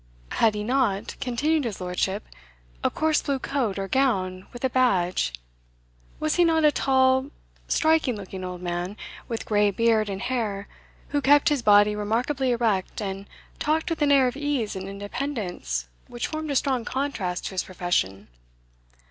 "Had he not," continued his Lordship, "a coarse blue coat, or gown, with a badge? was he not a tall, striking looking old man, with grey beard and hair, who kept his body remarkably erect, and talked with an air of ease and independence, which formed a strong contrast to his profession?"